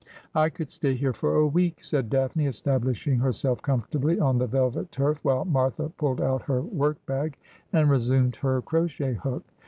' I could stay here for a week,' said Daphne, establishing her self comfortably on the velvet turf, while Martha pulled out her work bag and resumed her crochet hook.